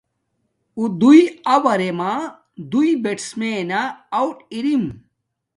اُݸ دݸئی اَوَرݺ مݳ دݸئی بݵٹسمݵنݳ آݸٹ اِرِی.